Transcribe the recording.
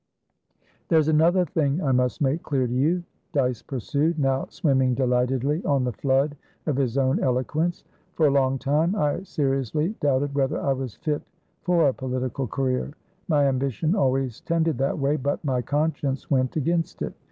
"There's another thing I must make clear to you," Dyce pursued, now swimming delightedly on the flood of his own eloquence. "For a long time I seriously doubted whether I was fit for a political career. My ambition always tended that way, but my conscience went against it.